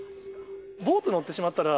ボート乗ってしまったら、